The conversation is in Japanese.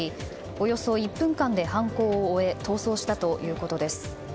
およそ１分間で犯行を終え逃走したということです。